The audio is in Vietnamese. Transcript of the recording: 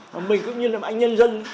mà mình cũng như là anh nhân dân